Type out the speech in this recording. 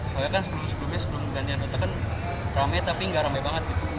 soalnya kan sebelum sebelumnya sebelum pergantian rute kan rame tapi nggak rame banget gitu